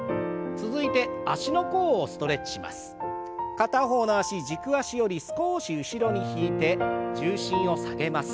片方の脚軸足より少し後ろに引いて重心を下げます。